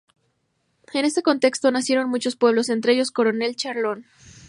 En ese contexto nacieron muchos pueblos, entre ellos Coronel Charlone.